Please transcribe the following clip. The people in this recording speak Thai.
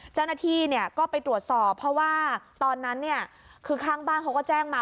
เจ้าหน้าที่ก็ไปตรวจสอบเพราะว่าตอนนั้นเนี่ยคือข้างบ้านเขาก็แจ้งมา